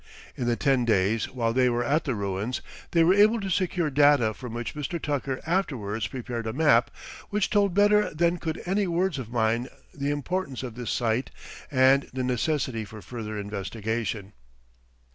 In the ten days while they were at the ruins they were able to secure data from which Mr. Tucker afterwards prepared a map which told better than could any words of mine the importance of this site and the necessity for further investigation.